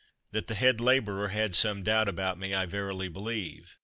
That the head labourer had some doubt about me, I verily believe.